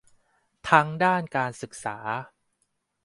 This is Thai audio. ทั้งด้านการศึกษา